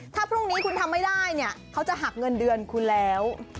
ถ้าพรุ่งนี้คุณทำไม่ได้เนี่ยเขาจะหักเงินเดือนคุณแล้ว